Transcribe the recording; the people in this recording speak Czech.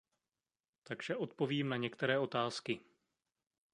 Takže odpovím na některé otázky.